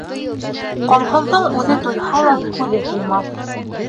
Ҡомһоҙҙоң үҙе туйһа ла күҙе туймаҫ.